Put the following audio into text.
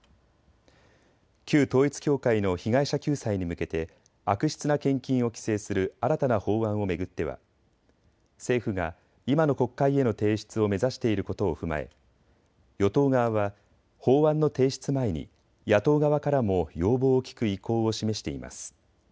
旧統一教会の被害者救済に向けて悪質な献金を規制する新たな法案を巡っては政府が今の国会への提出を目指していることを踏まえ与党側は法案の提出前に野党側からも要望を聞く意向を示しています。